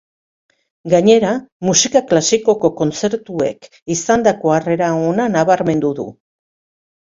Gainera, musika klasikoko kontzertuek izandako harrera ona nabarmendu du.